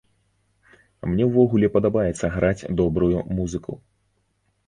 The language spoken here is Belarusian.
Мне ўвогуле падабаецца граць добрую музыку.